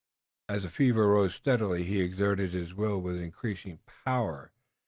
As the fever rose steadily he exerted his will with increasing power.